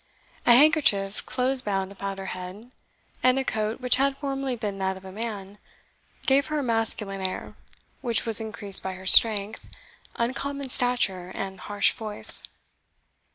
A handkerchief close bound about her head, and a coat which had formerly been that of a man, gave her a masculine air, which was increased by her strength, uncommon stature, and harsh voice.